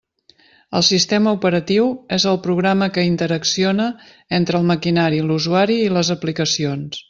El sistema operatiu és el programa que interacciona entre el maquinari, l'usuari i les aplicacions.